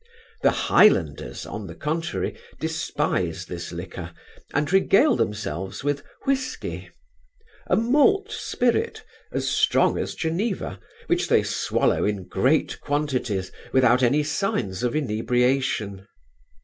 The Highlanders, on the contrary, despise this liquor, and regale themselves with whisky; a malt spirit, as strong as geneva, which they swallow in great quantities, without any signs of inebriation.